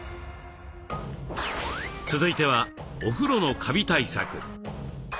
続いてはお風呂のカビ対策。